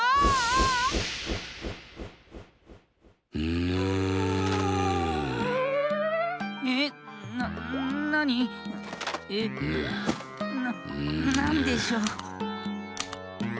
ぬ。ななんでしょう？